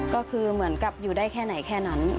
ก็คือเหมือนกับอยู่ได้แค่ไหนแค่นั้น